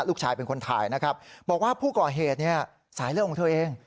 ลูกชายเป็นคนถ่ายนะครับบอกว่าผู้ก่อเหตุเนี่ยสายเลือดของเธอเอง